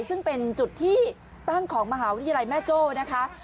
ซึ่งเป็นจุดที่ตั้งของมหาวิทยาลัยแม่โจ้นะคะ